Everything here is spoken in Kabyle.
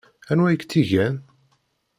Anwa i k-tt-igan?